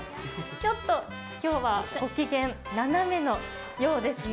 ちょっと今日はご機嫌斜めのようですね。